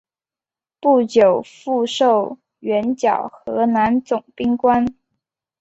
不久复授援剿河南总兵官。